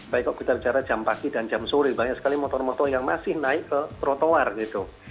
baik kalau kita bicara jam pagi dan jam sore banyak sekali motor motor yang masih naik ke trotoar gitu